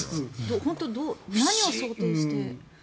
本当にどう、何を想像して。